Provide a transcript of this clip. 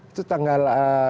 itu tanggal sepuluh